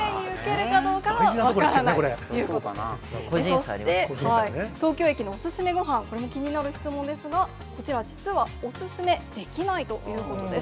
そして東京駅のお勧めごはん、これも気になる質問ですが、こちらは実はお勧めできないということです。